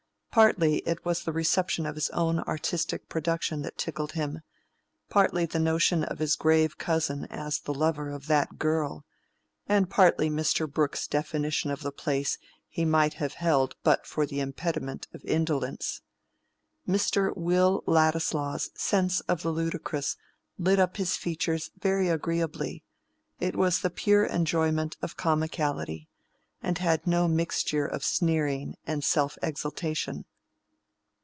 Partly it was the reception of his own artistic production that tickled him; partly the notion of his grave cousin as the lover of that girl; and partly Mr. Brooke's definition of the place he might have held but for the impediment of indolence. Mr. Will Ladislaw's sense of the ludicrous lit up his features very agreeably: it was the pure enjoyment of comicality, and had no mixture of sneering and self exaltation.